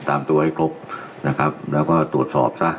ตามตัวให้ครบนะครับแล้วก็ตรวจสอบซะ